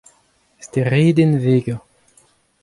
Steredenn Vega.